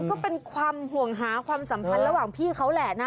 ก็เป็นความห่วงหาความสัมพันธ์ระหว่างพี่เขาแหละนะ